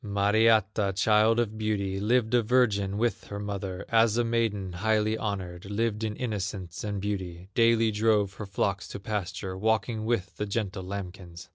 Mariatta, child of beauty, Lived a virgin with her mother, As a maiden highly honored, Lived in innocence and beauty, Daily drove her flocks to pasture, Walking with the gentle lambkins.